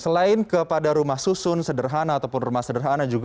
selain kepada rumah susun sederhana ataupun rumah sederhana